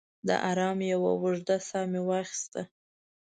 د ارام یوه اوږده ساه مې واخیسته.